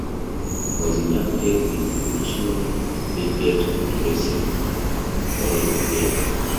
He was inducted into the National Midget Auto Racing Hall of Fame.